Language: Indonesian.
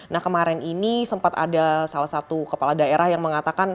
nah kemarin ini sempat ada salah satu kepala daerah yang mengatakan